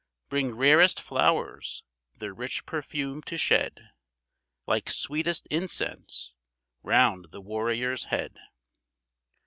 Bring rarest flowers their rich perfume to shed, Like sweetest incense, round the warrior's head.